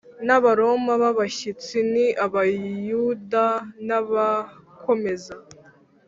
n Abaroma b abashyitsi n Abayuda n abakomeza